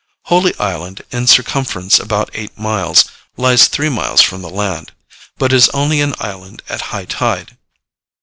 Holy Island, in circumference about eight miles, lies three miles from the land; but is only an island at high tide.